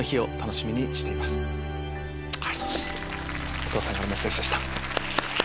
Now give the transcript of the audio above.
お父さんからのメッセージでした。